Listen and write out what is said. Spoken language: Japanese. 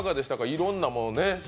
いろんなもの。